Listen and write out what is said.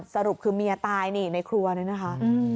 สรุปคือเมียตายนี่ในครัวเลยนะคะ